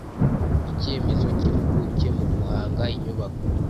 icyemezo cy’ impuguke mu guhanga inyubako